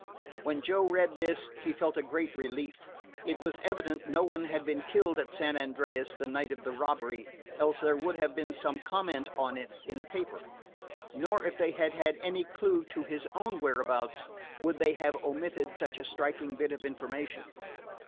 When Joe had read this he felt a great relief. It was evident no one had been killed at San Andreas the night of the robbery, else there would have been some comment on it in the paper. Nor, if they had had any clue to his own whereabouts, would they have omitted such a striking bit of information.